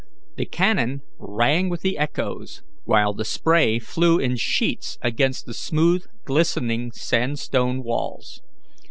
The canon rang with the echoes, while the spray flew in sheets against the smooth, glistening, sandstone walls.